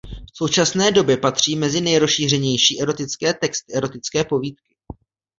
V současné době patří mezi nejrozšířenější erotické texty erotické povídky.